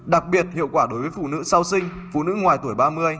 đặc biệt hiệu quả đối với phụ nữ sau sinh phụ nữ ngoài tuổi ba mươi